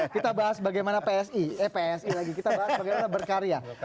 kita bahas bagaimana psi eh psi lagi kita bahas bagaimana berkarya